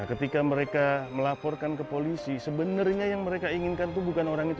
kita semakin bermanfaat